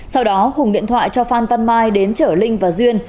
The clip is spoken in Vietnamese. sau đó hùng điện thoại cho phan văn mai đến chở linh và duyên